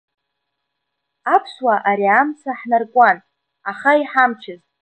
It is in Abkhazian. Аԥсуаа ари амца ҳнаркуан, аха иҳамчыз.